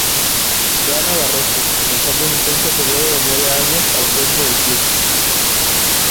Gana Barroso, comenzando un intenso período de nueve años al frente del club.